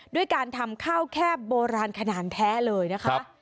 ด้วยการทำข้าวแคบโบราณขนาดแท้เลยนะคะ